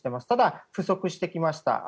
ただ、不足してきました。